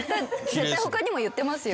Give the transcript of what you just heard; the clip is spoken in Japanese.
絶対他にも言ってますよ。